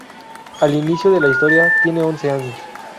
Al inicio de la historia tiene once años.